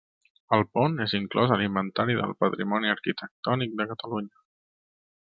El pont és inclòs a l'Inventari del Patrimoni Arquitectònic de Catalunya.